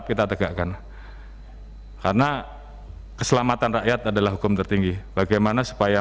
kita dengarkan berikutnya